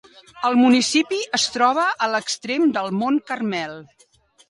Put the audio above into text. El municipi es troba a l'extrem del Mont Carmel.